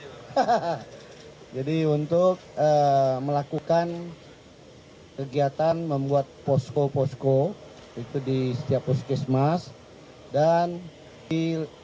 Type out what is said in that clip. hahaha jadi untuk melakukan kegiatan membuat posko posko itu di setiap puskesmas dan di